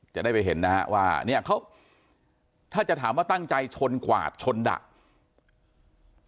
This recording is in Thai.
จะได้ไปเห็นนะฮะว่าเนี่ยเขาถ้าจะถามว่าตั้งใจชนกวาดชนดะ